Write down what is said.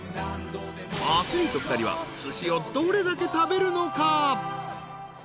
［アスリート２人はすしをどれだけ食べるのか？］